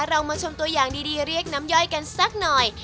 เรามาชมตัวอย่างดีเรียกน้ำย่อยกันสักหน่อย